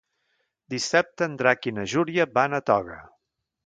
Dissabte en Drac i na Júlia van a Toga.